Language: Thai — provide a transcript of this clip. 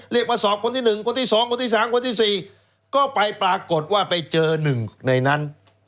เรียกว่าสอบคนที่หนึ่งคนที่สองคนที่สามคนที่สี่ก็ไปปรากฏว่าไปเจอหนึ่งในนั้น